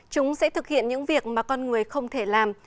chúng sẽ thực hiện những việc mà con người không thể làm